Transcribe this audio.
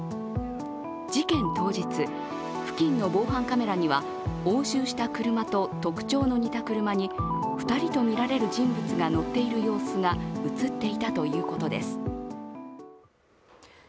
事件当日、付近の防犯カメラには押収した車と特徴の似た車に２人とみられる人物が乗っている様子が映っていたということです。